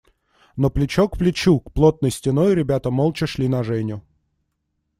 Но плечо к плечу, плотной стеной ребята молча шли на Женю.